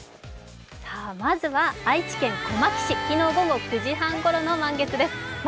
まずは愛知県小牧市、昨日午後９時半ごろの満月ですね。